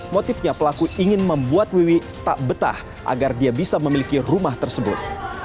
motifnya pelaku ingin membuat wiwi tak betah agar dia bisa memiliki rumah tersebut